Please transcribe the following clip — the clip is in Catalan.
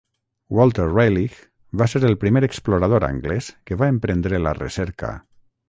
Walter Raleigh va ser el primer explorador anglès que va emprendre la recerca.